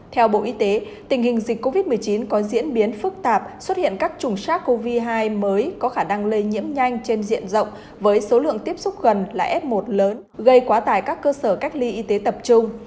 theo bộ y tế tình hình dịch covid một mươi chín có diễn biến phức tạp xuất hiện các chủng sars cov hai mới có khả năng lây nhiễm nhanh trên diện rộng với số lượng tiếp xúc gần là f một lớn gây quá tải các cơ sở cách ly y tế tập trung